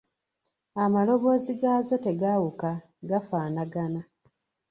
"Amaloboozi gaazo tegaawuka, gafaanagana."